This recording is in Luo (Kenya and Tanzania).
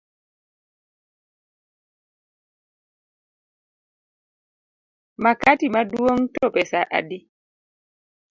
Makati maduong’ to pesa adi?